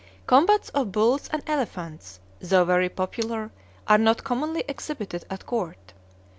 Combats of bulls and elephants, though very popular, are not commonly exhibited at court.